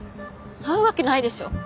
会うわけないでしょ。